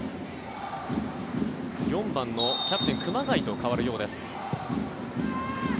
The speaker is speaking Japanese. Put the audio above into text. ４番のキャプテン、熊谷と代わるようです。